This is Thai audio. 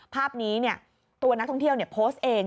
ภาพนี้ตัวนักท่องเที่ยวโพสต์เอง